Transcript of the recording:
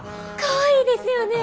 かわいいですよね！